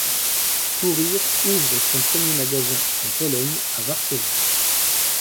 Courir ouvre son premier magasin en Pologne, à Varsovie.